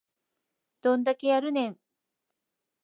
どんだけやるん